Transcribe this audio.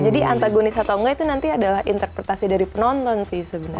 jadi antagonis atau enggak itu nanti adalah interpretasi dari penonton sih sebenarnya